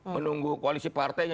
menunggu koalisi partainya